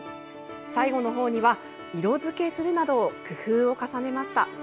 最後の方には色付けするなど工夫を重ねました。